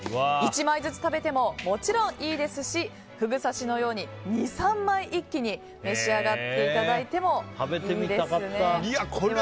１枚ずつ食べてももちろんいいですしフグ刺しのように２３枚一気に召し上がっていただいてもいいですね。